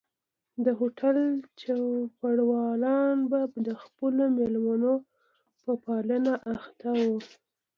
د هوټل چوپړوالان به د خپلو مېلمنو په پالنه اخته وو.